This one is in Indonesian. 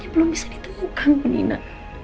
belum bisa ditemukan bu nina